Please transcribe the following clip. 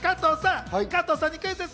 加藤さんにクイズッス！